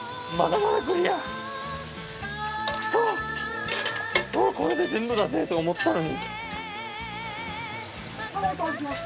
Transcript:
「もうこれで全部だぜ」って思ったのに。